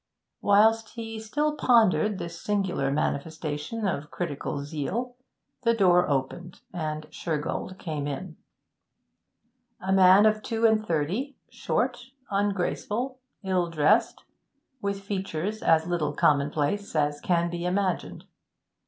Whilst he still pondered this singular manifestation of critical zeal, the door opened, and Shergold came in. A man of two and thirty, short, ungraceful, ill dressed, with features as little commonplace as can be imagined.